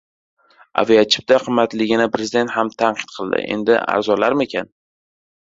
Aviachipta qimmatligini prezident ham tanqid qildi. Endi arzonlarmikan?